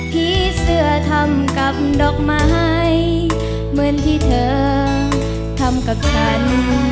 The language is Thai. ผีเสื้อทำกับดอกไม้เหมือนที่เธอทำกับฉัน